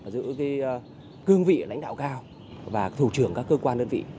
giữ cương vị lãnh đạo cao và thủ trưởng các cơ quan đơn vị